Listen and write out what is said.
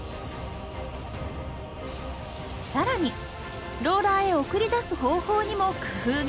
更にローラーへ送り出す方法にも工夫が！